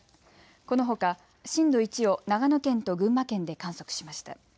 このほか震度１を長野県と群馬県で観測しました。